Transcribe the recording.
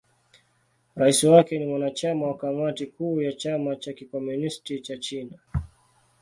Rais wake ni mwanachama wa Kamati Kuu ya Chama cha Kikomunisti cha China.